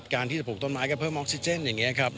การที่จะปลูกต้นไม้ก็เพิ่มออกซิเจนอย่างนี้ครับ